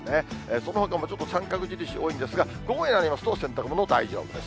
そのほかもちょっと三角印多いんですが、午後になりますと、洗濯物大丈夫です。